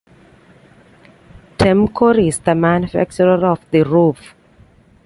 Temcor is the manufacturer of the roof.